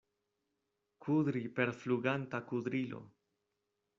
Kudri per fluganta kudrilo.